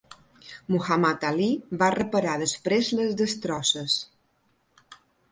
Muhammad Ali va reparar després les destrosses.